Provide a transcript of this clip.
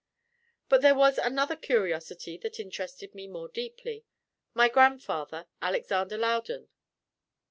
But there was another curiosity that interested me more deeply my grandfather, Alexander Loudon.